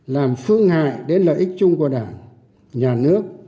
làm phương hại đến lợi ích chung của đảng nhà nước